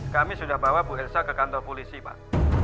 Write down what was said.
kami sudah bawa bu elsa ke kantor polisi pak